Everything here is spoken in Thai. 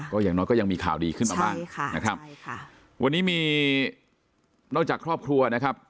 ก็อย่างน้อยก็ยังมีข่าวดีขึ้นมาบ้างใช่ค่ะนะครับใช่ค่ะวันนี้มีนอกจากครอบครัวนะครับ